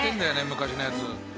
昔のやつ。